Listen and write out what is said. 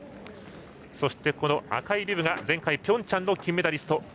そして、赤いビブが前回ピョンチャンの金メダリスト